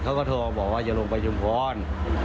เขาก็โทรบอกว่าจะลงไปชุมพร